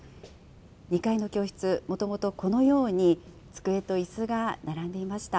２階の教室、もともとこのように机といすが並んでいました。